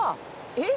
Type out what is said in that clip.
えっ？